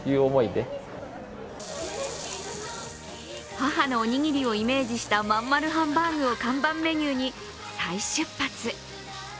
母のおにぎりをイメージしたまん丸ハンバーグを看板メニューに再出発。